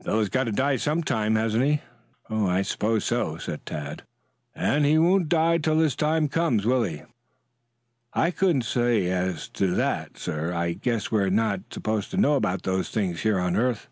"A fellow's got to die some time, hasn't he?" "I suppose so." "And he won't die till his time comes, will he?" "I couldn't say as to that, sir. I guess we are not supposed to know about those things here on earth."